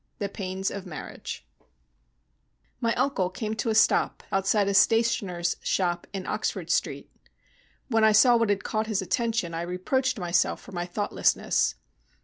THE PAINS OF MARRIAGE My uncle came to a stop outside a stationer's shop in Oxford street. When I saw what had caught his attention I reproached myself for my thoughtlessness.